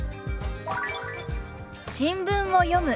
「新聞を読む」。